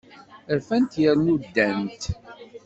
Rfant yernu ddant.